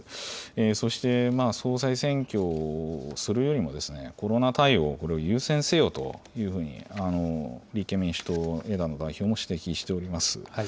そして総裁選挙をするよりも、コロナ対応、これを優先せよというふうに、立憲民主党の枝野代表も指摘しております。